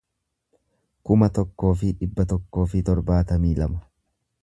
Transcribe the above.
kuma tokkoo fi dhibba tokkoo fi torbaatamii lama